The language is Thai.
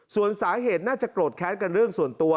ส่วนสาเหตุน่าจะโกรธแค้นกันเรื่องส่วนตัว